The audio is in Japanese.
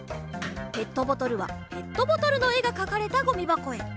ペットボトルはペットボトルのえがかかれたごみばこへ。